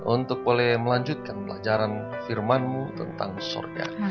untuk boleh melanjutkan pelajaran firmanmu tentang sorga